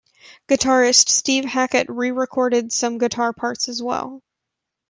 Guitarist Steve Hackett re-recorded some guitar parts as well.